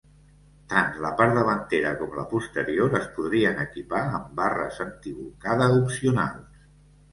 Tant la part davantera com la posterior es podrien equipar amb barres antibolcada opcionals.